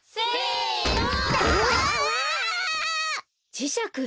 じしゃく！